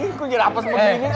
gue jadi apa seperti ini kayak